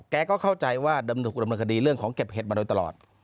แก่ก็เข้าใจว่าเดิมถูกกดโบรนยคดีในของเก็บเหตุมาโดยตลอด